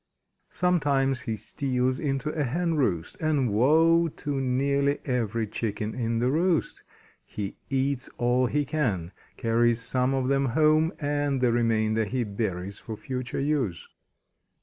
Sometimes he steals into a hen roost, and woe to nearly every chicken in the roost. He eats all he can, carries some of them home, and the remainder he buries for future use.